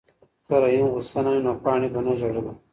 که رحیم غوسه نه وای نو پاڼه به نه ژړله.